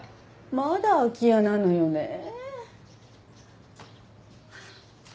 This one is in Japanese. まだ空き家なのよねえ。